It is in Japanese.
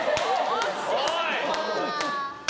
おい！